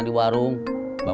kenapa lu ngelintas ga ada